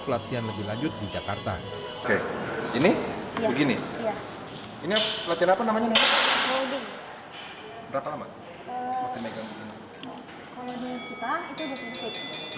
pelatihan lebih lanjut di jakarta ini begini ini pelatihan apa namanya berapa lama kalau di kita itu